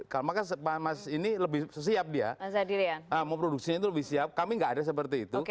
karena maka mas ini lebih siap dia memproduksinya itu lebih siap kami nggak ada seperti itu